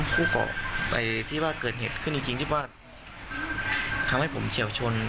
คู่เกาะที่ว่าเกิดเหตุขึ้นจริงจริงที่ว่าทำให้ผมเฉียวชน